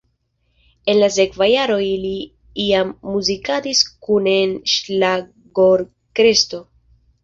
En la sekva jaro ili jam muzikadis kune en ŝlagrorkestro.